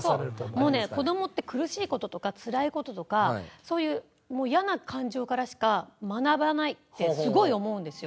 もうね子どもって苦しい事とかつらい事とかそういうイヤな感情からしか学ばないってすごい思うんですよ。